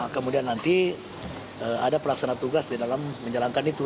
kemudian nanti ada pelaksana tugas di dalam menjalankan itu